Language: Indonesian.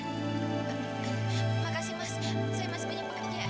makasih mas saya masih penyembuhkan dia